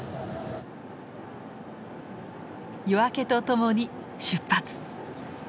夜明けとともに出発！